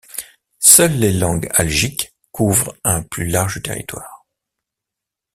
Seules les langues algiques couvrent un plus large territoire.